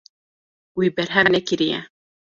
Wî berhev nekiriye.